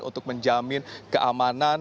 untuk menjamin keamanan